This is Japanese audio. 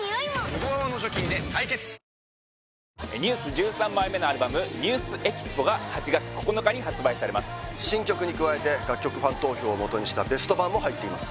１３枚目のアルバム「ＮＥＷＳＥＸＰＯ」が８月９日に発売されます新曲に加えて楽曲ファン投票をもとにしたベスト盤も入っています